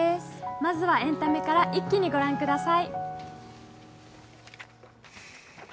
まずはエンタメから一気にご覧ください。